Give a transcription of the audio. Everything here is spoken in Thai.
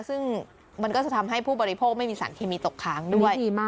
ซึ่งมันก็จะทำให้ผู้บริโภคไม่มีสารเคมีตกค้างด้วย